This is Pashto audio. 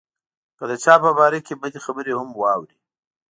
که د چا په باره کې بدې خبرې هم واوري.